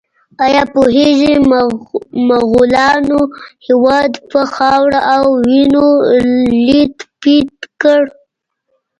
ایا پوهیږئ مغولانو هېواد په خاورو او وینو لیت پیت کړ؟